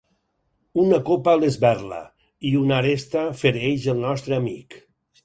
Una copa s'esberla, i una aresta fereix el nostre amic.